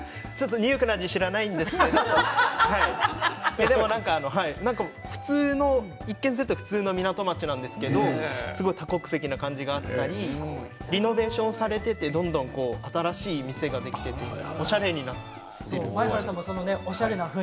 ちょっとニューヨークの味は知らないんですけど一見すると普通の港町なんですけど多国籍な感じがあったりリノベーションされていてどんどん新しいお店ができていておしゃれになっているんです。